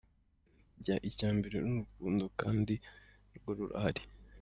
Burya icya mbere ni urukundo kandi rwo rurahari.